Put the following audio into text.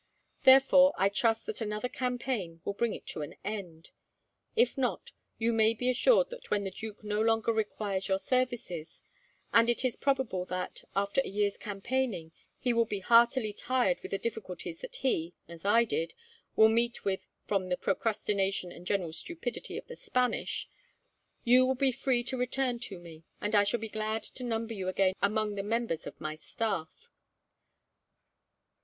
Therefore, I trust that another campaign will bring it to an end. If not, you may be assured that when the duke no longer requires your services and it is probable that, after a year's campaigning, he will be heartily tired with the difficulties that he, as I did, will meet with from the procrastination and general stupidity of the Spanish you will be free to return to me, and I shall be glad to number you again among the members of my staff.